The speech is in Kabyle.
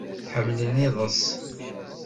Ḥmmlen iḍes.